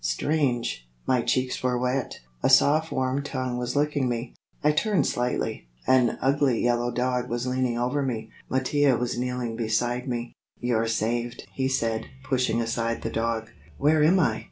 Strange! My cheeks were wet. A soft warm tongue was licking me. I turned slightly. An ugly yellow dog was leaning over me. Mattia was kneeling beside me. "You're saved," he said, pushing aside the dog. "Where am I?"